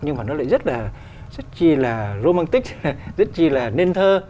nhưng mà nó lại rất là romantic rất là nên thơ